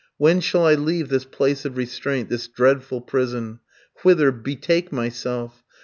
When shall I leave this place of restraint, this dreadful prison? Whither betake myself?